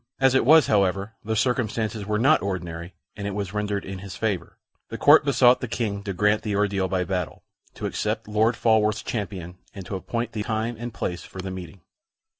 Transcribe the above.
As it was, however, the circumstances were not ordinary, and it was rendered in his favor. The Court besought the King to grant the ordeal by battle, to accept Lord Falworth's champion, and to appoint the time and place for the meeting.